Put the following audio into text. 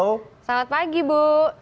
selamat pagi bu